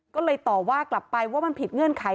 ก็เลยต่อว่ากลับไปว่ามันผิดเงื่อนไข